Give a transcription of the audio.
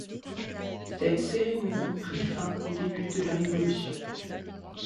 Cette cérémonie prit fin au début de la Révolution.